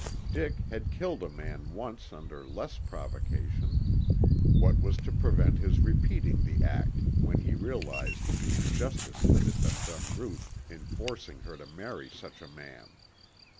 Dick had killed a man once under less provocation. What was to prevent his repeating the act when he realized the injustice that had been done Ruth in forcing her to marry such a man?